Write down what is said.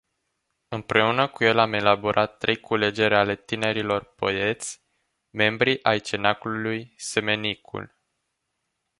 Împreună cu el am elaborat trei culegeri ale tinerilor poeți, membrii ai Cenaclului Semenicul.